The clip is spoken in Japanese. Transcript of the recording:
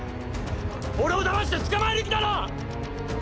俺をだまして捕まえる気だろ！